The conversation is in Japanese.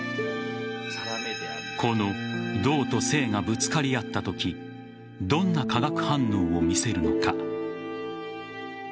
この動と静がぶつかり合ったときどんな化学反応を見せるのか。